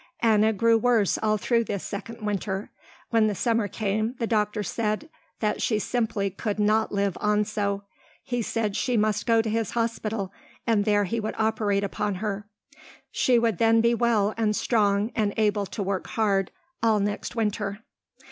Anna grew worse all through this second winter. When the summer came the doctor said that she simply could not live on so. He said she must go to his hospital and there he would operate upon her. She would then be well and strong and able to work hard all next winter.